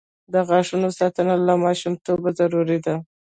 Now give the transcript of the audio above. د غاښونو ساتنه له ماشومتوبه ضروري ده.